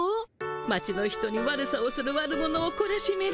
町の人に悪さをする悪者をこらしめるのよ。